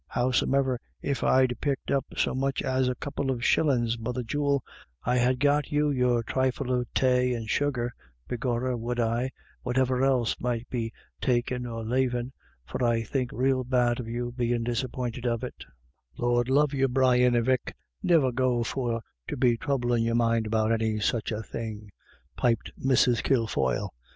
Howsome'er if I'd picked up so much as a couple of the shillins, mother jewel, Td ha* got you your trifle of tay and sugar, begor rah would I, whativer else might be takin' or lavin', for I think rael bad of you bein' disappointed of it" " Lord love you, Brian avic, niver go for to be throublin' your mind about any # such a thing," piped Mrs. Kilfoyle.